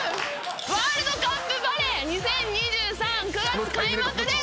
ワールドカップバレー２０２３９月開幕です。